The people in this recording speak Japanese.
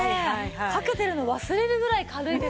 かけてるの忘れるぐらい軽いですし。